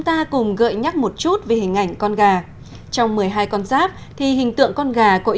thời gian tốt